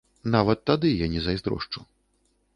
Нават тады я не зайздрошчу.